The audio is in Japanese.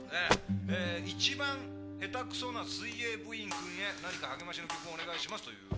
えー『いちばん下手くそな水泳部員君へ何か励ましの曲をお願いします』ということですね？